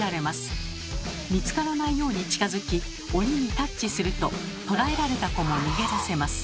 見つからないように近づき鬼にタッチすると捕らえられた子も逃げ出せます。